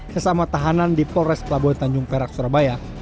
sesama tahanan di polres pelabuhan tanjung perak surabaya